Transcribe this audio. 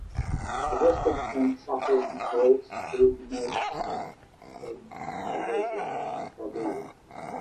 The western and southern routes would merge at Hargeisa.